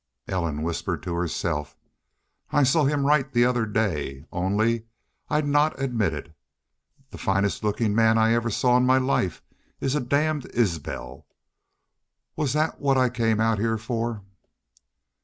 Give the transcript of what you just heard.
Ellen whispered to herself: "I saw him right the other day. Only, I'd not admit it.... The finest lookin' man I ever saw in my life is a damned Isbel! Was that what I come out heah for?"